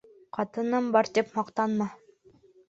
Ҡатыным бар тип маҡтанма.